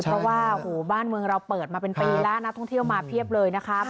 เพราะว่าบ้านเมืองเราเปิดมาเป็นปีแล้วนักท่องเที่ยวมาเพียบเลยนะคะ